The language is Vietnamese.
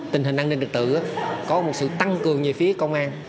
tình hình an ninh trật tự có một sự tăng cường về phía công an